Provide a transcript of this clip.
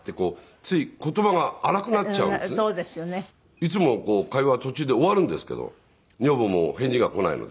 いつも会話途中で終わるんですけど女房も返事が来ないので。